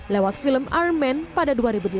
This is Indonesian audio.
lewat film iron man pada dua ribu delapan